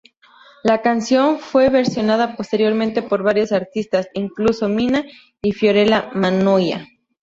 La canción fue versionada posteriormente por varios artistas, incluso Mina y Fiorella Mannoia.